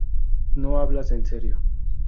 No hablas en serio.